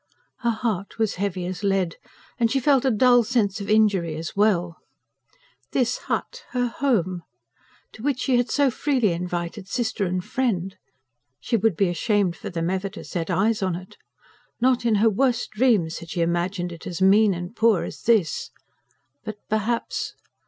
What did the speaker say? Her heart was heavy as lead, and she felt a dull sense of injury as well. This hut her home! to which she had so freely invited sister and friend! She would be ashamed for them ever to set eyes on it. Not in her worst dreams had she imagined it as mean and poor as this. But perhaps